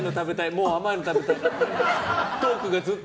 もう甘いの食べたい！